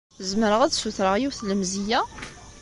Zemreɣ ad ssutreɣ yiwet n lemzeyya?